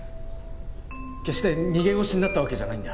決して逃げ腰になったわけじゃないんだ。